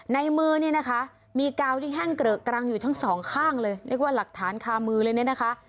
ในมือมีกาวที่แห้งเกลือกรางอยู่ทั้ง๒ข้างเลยนี่ก็ว่าหลักฐานคามือเลยนะคะ